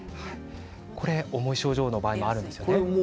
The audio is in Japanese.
重い症状の場合があるんですね。